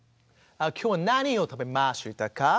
「今日は何を食べましたか？」。